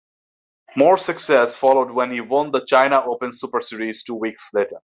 More success followed when he won the China Open Super Series two weeks later.